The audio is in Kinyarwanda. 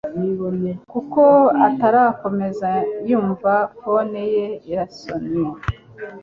kuko atarakomeza yumva phone ye irasonnye